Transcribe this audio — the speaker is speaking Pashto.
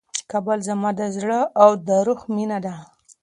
کابل زما د زړه او د روح مېنه ده.